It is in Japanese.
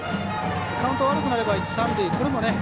カウント悪くなれば一、三塁。